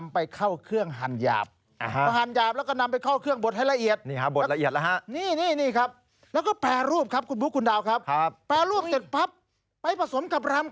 พีทิเตอร์แค่สำหรับอาหารกุ้งหอยกูปลาเค้าน้อ